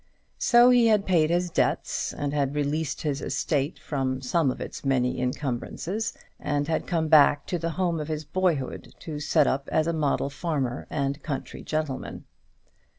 So he had paid his debts, and had released his estate from some of its many incumbrances, and had come back to the home of his boyhood, to set up as a model farmer and country gentleman.